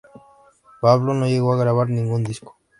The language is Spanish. Pablo no llegó a grabar ningún disco.